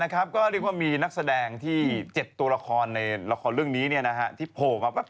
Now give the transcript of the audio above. ที่แน่ก็ได้ว่ามีนักแสดงที่๗ตัวละครในละครเรื่องนี้เนี่ยที่โผล่มาแป๊บ